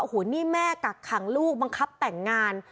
โอ้โหนี่แม่กักขังลูกบังคับแต่งงาน